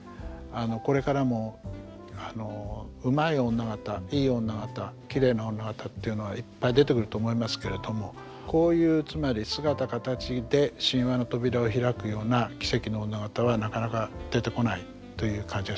これからもうまい女方いい女方きれいな女方っていうのはいっぱい出てくると思いますけれどもこういうつまり姿形で神話の扉を開くような奇蹟の女方はなかなか出てこないという感じがしますね。